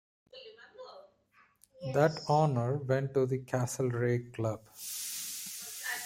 That honour went to the Castlereagh Club.